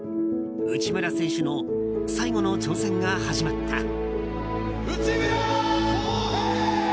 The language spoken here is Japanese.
内村選手の最後の挑戦が始まった。